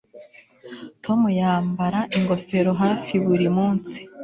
Tom yambara ingofero hafi buri munsi